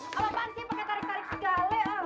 aduh apaan sih pake tarik tarik gale